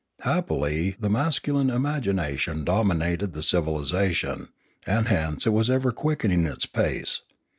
Happily the masculine imagination dominated the civilisation, and hence it was ever quickening its pace.